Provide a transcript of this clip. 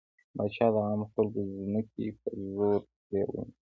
پاچا د عامو خلکو ځمکې په زور ترې ونيولې.